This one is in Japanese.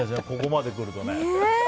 ここまでくるとね。